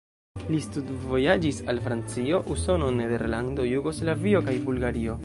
Li studvojaĝis al Francio, Usono, Nederlando, Jugoslavio kaj Bulgario.